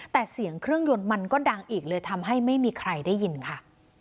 แต่เสียงเครื่องยนต์มันก็ดังอีกเลยทำให้ไม่มีใครได้ยินค่ะ